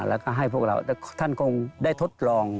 แล้วก็ให้พวกเราท่านคงได้ทดลอง